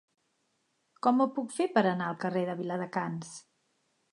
Com ho puc fer per anar al carrer de Viladecans?